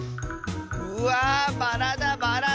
うわあバラだバラだ！